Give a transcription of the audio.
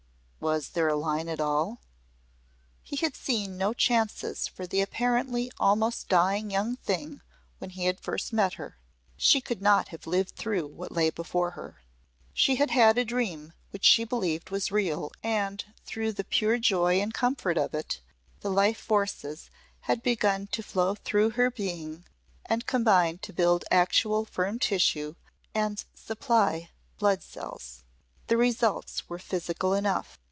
Was there a line at all? He had seen no chances for the apparently almost dying young thing when he first met her. She could not have lived through what lay before her. She had had a dream which she believed was real, and, through the pure joy and comfort of it, the life forces had begun to flow through her being and combine to build actual firm tissue and supply blood cells. The results were physical enough.